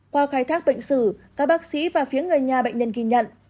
qua khai thác bệnh sử các bác sĩ và phía người nhà bệnh nhân ghi nhận